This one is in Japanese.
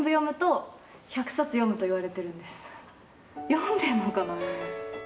読んでるのかな？